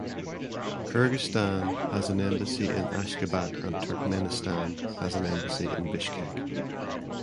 Kyrgyzstan has an embassy in Ashgabat and Turkmenistan has an embassy in Bishkek.